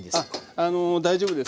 あの大丈夫です。